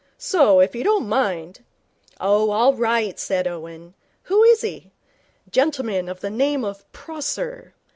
So, if you don't mind ' 'Oh, all right,' said Owen. 'Who is he?' 'Gentleman of the name of Prosser.'